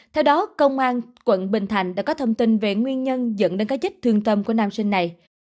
theo đó công an tp hcm đã có thông tin về nguyên nhân dẫn đến cái chết thương tâm của nam sinh này